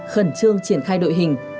khẩn trương triển khai đội hình